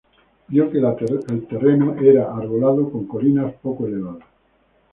Vio que el terreno era arbolado, con colinas poco elevadas.